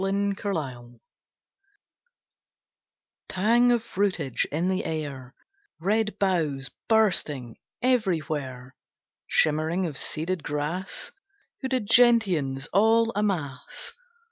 Late September Tang of fruitage in the air; Red boughs bursting everywhere; Shimmering of seeded grass; Hooded gentians all a'mass.